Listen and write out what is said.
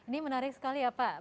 ini menarik sekali ya pak